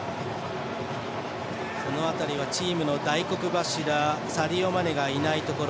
その辺りはチームの大黒柱サディオ・マネがいないところ。